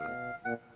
hebat lu tir